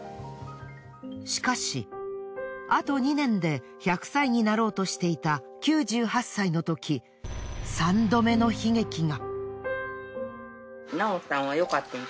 しかしあと２年で１００歳になろうとしていた９８歳のとき３度目の悲劇が。